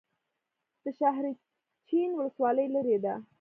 د شاحرچین ولسوالۍ لیرې ده